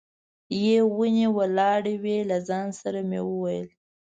یې ونې ولاړې وې، له ځان سره مې وویل.